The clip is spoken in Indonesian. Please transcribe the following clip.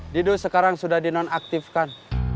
dido sekarang sudah dinonaktifkan